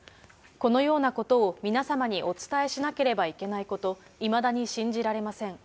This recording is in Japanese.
このようなことを皆様にお伝えしなければいけないこと、いまだに信じられません。